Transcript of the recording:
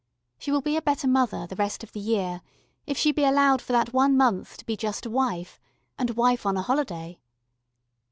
She will be a better mother the rest of the year if she be allowed for that one month to be just a wife, and a wife on a holiday.